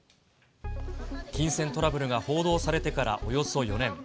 金銭トラブルが報道されてからおよそ４年。